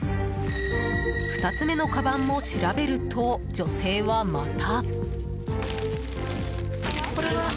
２つ目のかばんも調べると女性はまた。